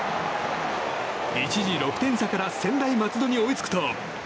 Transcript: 一時、６点差から専大松戸に追いつくと。